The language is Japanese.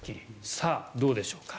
さあ、どうでしょうか。